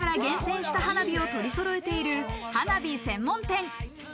全国から厳選した花火を取りそろえている花火専門店。